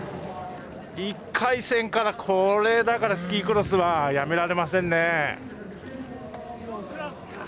１回戦からこれだからスキークロスはやめられませんね。